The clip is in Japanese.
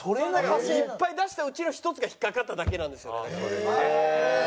いっぱい出したうちの一つが引っかかっただけなんですよね。